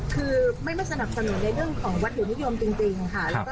คือไม่สนับสนุนในเรื่องของวัตถุนิยมจริงค่ะ